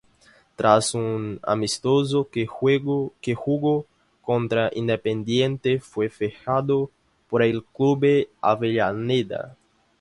Tras un amistoso que jugó contra Independiente, fue fichado por el club de Avellaneda.